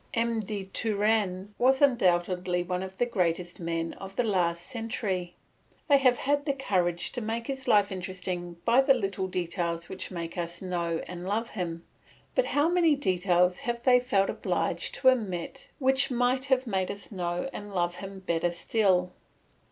M. de Turenne was undoubtedly one of the greatest men of the last century. They have had the courage to make his life interesting by the little details which make us know and love him; but how many details have they felt obliged to omit which might have made us know and love him better still?